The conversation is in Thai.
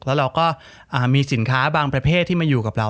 แล้วเราก็มีสินค้าบางประเภทที่มาอยู่กับเรา